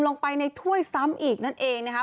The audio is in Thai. ลงไปในถ้วยซ้ำอีกนั่นเองนะคะ